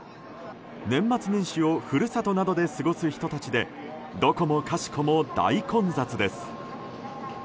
年末年始を故郷などで過ごす人たちでどこもかしこも大混雑です。